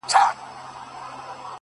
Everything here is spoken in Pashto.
زما ځواني دي ستا د زلفو ښامارونه وخوري،